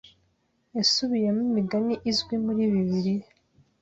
Yasubiyemo imigani izwi muri Bibiliya.